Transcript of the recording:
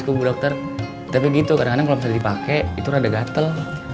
bagus kok bu dokter tapi gitu kadang kadang kalau misalnya dipake itu rada gatel